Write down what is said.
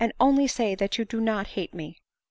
only say that you do not hate me !"